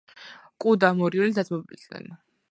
კუ და მორიელი დაძმობილდნენ